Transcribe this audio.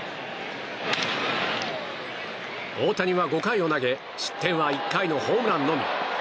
大谷は５回を投げ失点は１回のホームランのみ。